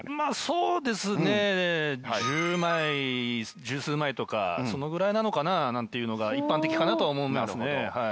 そうですね１０枚十数枚とかそのぐらいなのかななんていうのが一般的かなと思いますね。